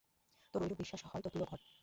তোর ঐরূপ বিশ্বাস হয় তো তুইও কর।